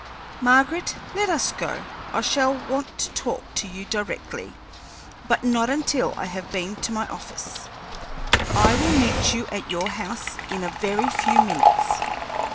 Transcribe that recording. Margaret, let us go. I shall want to talk to you directly, but not until I have been to my office. I will meet you at your house in a very few minutes."